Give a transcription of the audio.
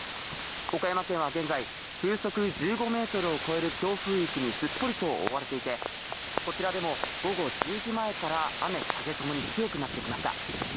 岡山県は現在、風速１５メートルを超える強風域にすっぽりと覆われていてこちらでも午後１０時前から雨・風ともに強くなってきました。